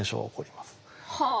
はあ。